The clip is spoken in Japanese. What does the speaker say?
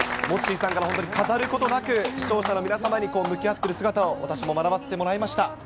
モッチーさんから本当に飾ることなく、視聴者の皆様に向き合ってる姿を、私も学ばせてもらいました。